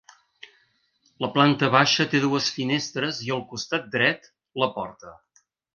La planta baixa té dues finestres i al costat dret, la porta.